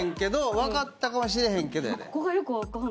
分かったかもしれへんけどやで。